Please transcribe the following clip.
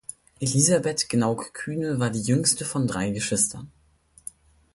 Elisabeth Gnauck-Kühne war die Jüngste von drei Geschwistern.